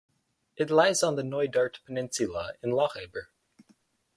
It lies on the Knoydart peninsula in Lochaber.